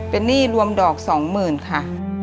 เป็นหนี้รวมดอกสองหมื่นค่ะ